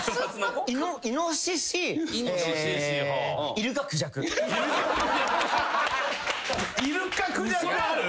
イルカクジャクある？